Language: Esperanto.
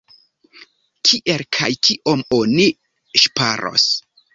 Kiel kaj kiom oni ŝparos?